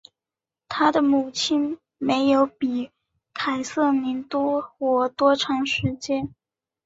她的母亲没有比凯瑟琳多活多长时间。